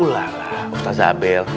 ulah lah ustaz abel